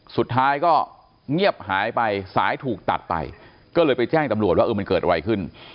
สุดท้ายก็เงียบหายไปสายถูกตัดไปก็เลยไปแจ้งตำรวจว่าเออมันเกิดอะไรขึ้น